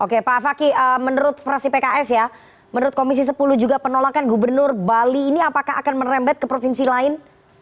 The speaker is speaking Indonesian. oke pak fakih menurut fraksi pks ya menurut komisi sepuluh juga penolakan gubernur bali ini apakah akan merembet ke provinsi lain